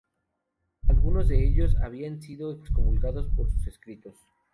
Algunos de ellos habían sido excomulgados por sus escritos.